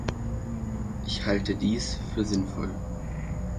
Ich halte dies für sinnvoll.